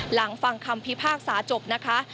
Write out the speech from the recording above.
ฟังคำพิพากษาจบนะคะ